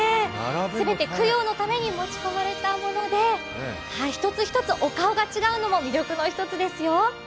全て供養のために持ち込まれたもので、一つ一つお顔が違うのも魅力の一つですよ。